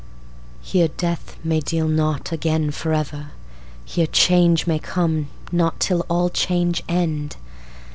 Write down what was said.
Here death may deal not again forever; Here change may come not till all change end.